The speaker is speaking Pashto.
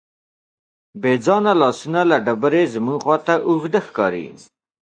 بېځانه لاسونه له ډبرې زموږ خواته اوږده ښکاري.